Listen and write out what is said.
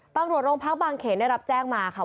ตำรวจโรงพักบางเขนได้รับแจ้งมาค่ะ